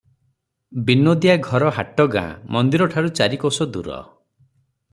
ବିନୋଦିଆ ଘର ହାଟଗାଁ, ମନ୍ଦିର ଠାରୁ ଚାରି କୋଶ ଦୂର ।